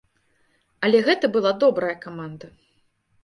Але гэта была добрая каманда.